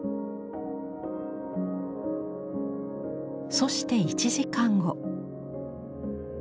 そして１時間後。